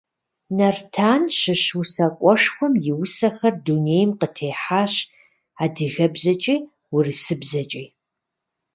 Нартан щыщ усакӀуэшхуэм и усэхэр дунейм къытехьащ адыгэбзэкӀи урысыбзэкӀи.